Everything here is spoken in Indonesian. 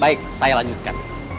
baik saya lanjutkan